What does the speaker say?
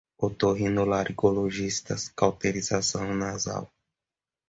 otorrinolaringologistas, cauterização nasal